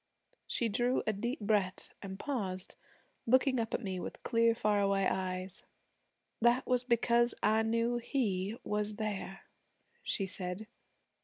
She drew a deep breath, and paused, looking up at me with clear, far away eyes. 'That was because I knew He was there,' she said.